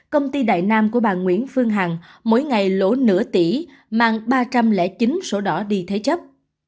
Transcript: công ty đại nam của bà nguyễn phương hằng mỗi ngày lỗ nửa tỷ mang ba trăm linh chín sổ đỏ đi thế chấp